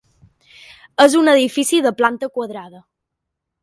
És un edifici de planta quadrada.